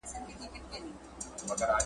د لېوه له داړو تښتو تر چړو د قصابانو ,